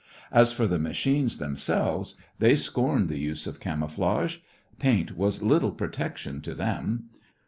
As for the machines themselves, they scorned the use of camouflage. Paint was little protection to them.